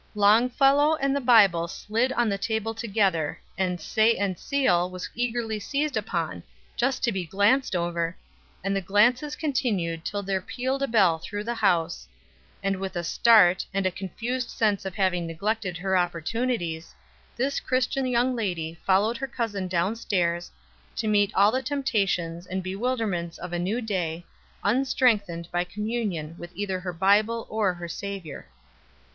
Longfellow and the Bible slid on the table together, and "Say and Seal" was eagerly seized upon, just to be glanced over, and the glances continued until there pealed a bell through the house; and, with a start, and a confused sense of having neglected her opportunities, this Christian young lady followed her cousin down stairs, to meet all the temptations and bewilderments of a new day, unstrengthened by communion with either her Bible or her Savior.